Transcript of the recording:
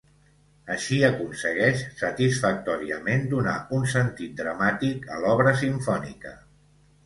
Així aconsegueix, satisfactòriament, donar un sentit dramàtic a l'obra simfònica.